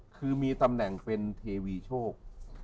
คือมีตำแหน่งเป็นเทวีโชค